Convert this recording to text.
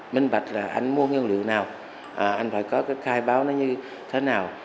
minh bạch là anh mua nguyên liệu nào anh phải có cái khai báo nó như thế nào